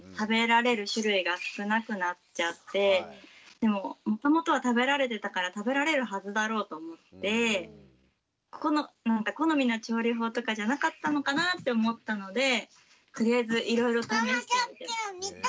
でももともとは食べられてたから食べられるはずだろうと思って好みの調理法とかじゃなかったのかなって思ったのでとりあえずいろいろ試してみました。